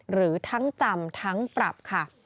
หรือทั้งจำทั้งปรับค่ะ